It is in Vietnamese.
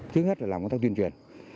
thứ nhất là làm công tác tuyên truyền